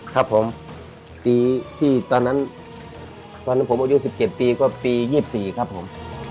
ครับผมตีที่ตอนนั้นตอนนั้นผมอายุสิบเก็บปีก็ปียี่สิบสี่ครับผม